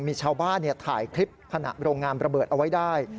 มีชาวบ้านถ่ายคลิปขณะโรงงานระเบิดเอาไว้ได้